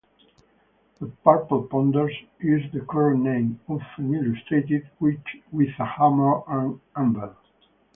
The "Purple Pounders" is the current name, often illustrated with a hammer and anvil.